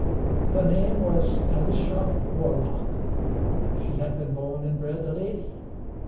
Her name was Alicia Warlock. She had been born and bred a lady.